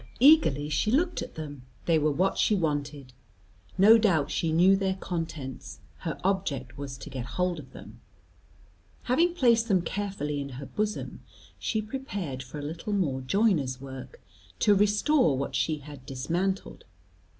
Eagerly she looked at them; they were what she wanted. No doubt she knew their contents; her object was to get hold of them. Having placed them carefully in her bosom, she prepared for a little more joiner's work, to restore what she had dismantled.